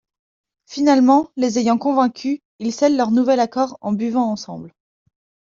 Finalement, les ayant convaincus, ils scellent leur nouvel accord en buvant ensemble.